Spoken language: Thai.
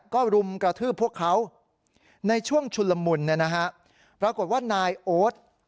ก็รุมกระทืบพวกเขาในช่วงชุนละมุนเนี่ยนะฮะปรากฏว่านายโอ๊ต